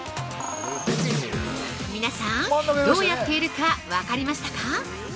◆皆さんどうやっているか分かりましたか？